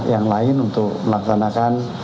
yang lain untuk melaksanakan